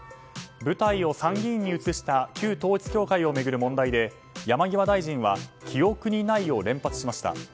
舞台を参議院に移した旧統一教会を巡る問題で山際大臣は記憶にないを連発しました。